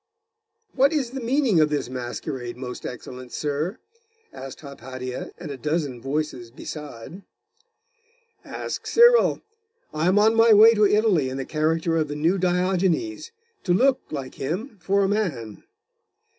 'What is the meaning of this masquerade, most excellent sir?' asked Hypatia and a dozen voices beside. 'Ask Cyril. I am on my way to Italy, in the character of the New Diogenes, to look, like him, for a man.